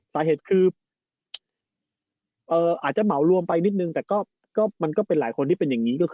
สาเหตุคืออาจจะเหมารวมไปนิดนึงแต่ก็มันก็เป็นหลายคนที่เป็นอย่างนี้ก็คือ